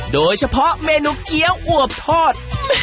โดยเฉพาะเมนูเกี้ยวอวบทอด